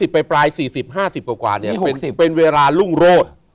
๓๐ไปปลาย๔๐๕๐กว่าเนี่ยเป็นเวลาลุ่งโรศน์